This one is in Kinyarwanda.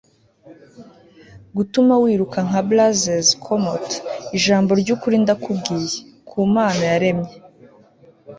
gutuma wiruka nka blazes comot. ijambo ryukuri ndakubwiye. ku mana yaremye